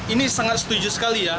ini sangat setuju sekali ya